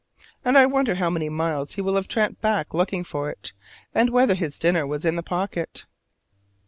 And I wonder how many miles he will have tramped back looking for it, and whether his dinner was in the pocket.